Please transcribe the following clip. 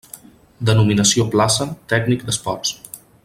Denominació plaça: tècnic d'esports.